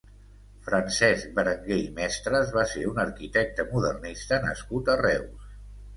Francesc Berenguer i Mestres va ser un arquitecte modernista nascut a Reus.